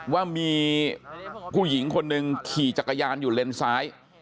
ว่ามีผู้หญิงคนหนึ่งขี่จักรยานอยู่เลนซ้าย